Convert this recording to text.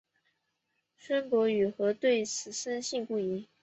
孙傅与何对此深信不疑。